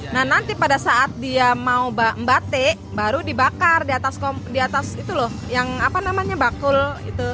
nah nanti pada saat dia mau membatik baru dibakar di atas itu loh yang apa namanya bakul itu